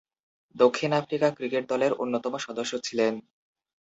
দক্ষিণ Africa cricket দলের অন্যতম সদস্য ছিলেন।